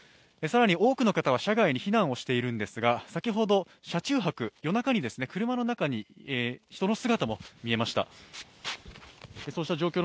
更に多くの方は車外に避難をしているんですが先ほど車中泊、夜中に車の中に人の姿も見えました。